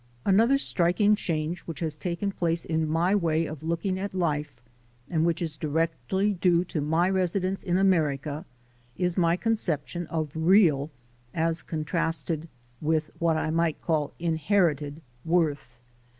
Another striking change which has taken place in my way of looking at life and which is directly due to my residence in America is my conception of real as contrasted with what I might call inherited worth.